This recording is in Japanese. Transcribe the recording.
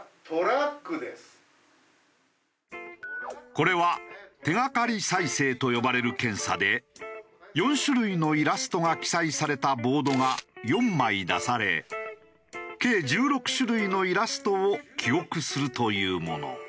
これは手がかり再生と呼ばれる検査で４種類のイラストが記載されたボードが４枚出され計１６種類のイラストを記憶するというもの。